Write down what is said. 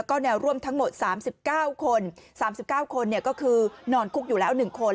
ก็แนวร่วมทั้งหมด๓๙คน๓๙คนก็คือนอนคุกอยู่แล้ว๑คน